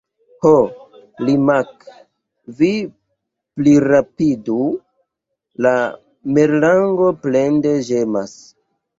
"Ho, Limak', vi plirapidu!" la merlango plende ĝemas.